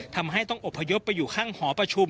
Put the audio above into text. ทำให้ต้องอบพยพไปอยู่ข้างหอประชุม